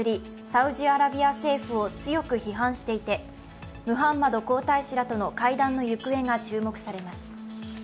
サウジアラビア政府を強く批判していてムハンマド皇太子らとの会談の行方が注目されます。